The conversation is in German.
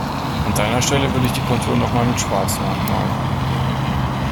An deiner Stelle würde ich die Konturen noch mal mit Schwarz nachmalen.